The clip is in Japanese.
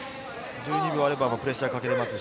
１２秒あればプレッシャーかけられます。